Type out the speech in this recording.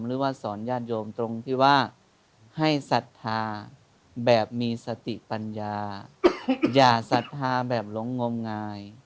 หรือว่าสอนญาติโยมตรงที่ว่าให้ศรัทธาแบบมีสติปัญญาอย่าศรัทธาแบบหลงงมงาย